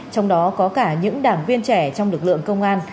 trong đó có cả những đảng viên trẻ trong lực lượng công an